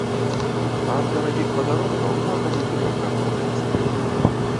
А ад дарагіх падарункаў можна будзе лёгка адмаўляцца.